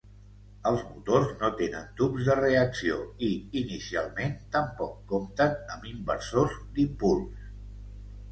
Els motors no tenen tubs de reacció i, inicialment, tampoc compten amb inversors d'impuls.